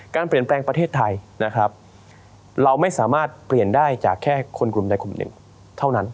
การเปลี่ยนแปลงประเทศไทยนะครับเราไม่สามารถเปลี่ยนได้จากแค่คนกลุ่มใดกลุ่มหนึ่งเท่านั้น